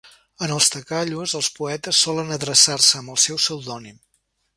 En els "takhallos" els poetes solen adreçar-se amb el seu pseudònim.